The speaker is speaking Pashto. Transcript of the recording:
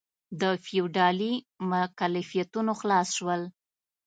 د فیوډالي مکلفیتونو خلاص شول.